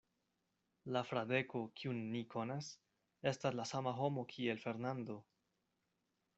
La Fradeko, kiun ni konas, estas la sama homo kiel Fernando.